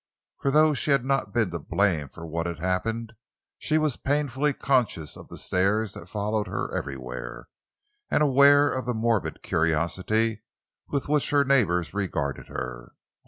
For though she had not been to blame for what had happened, she was painfully conscious of the stares that followed her everywhere, and aware of the morbid curiosity with which her neighbors regarded her.